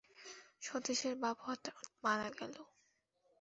সতীশের বাপ হঠাৎ মারা গেছে।